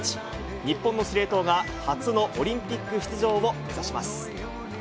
日本の司令塔が、初のオリンピック出場を目指します。